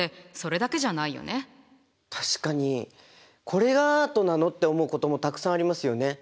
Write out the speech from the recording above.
「これがアートなの？」って思うこともたくさんありますよね。